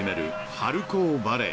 春高バレー］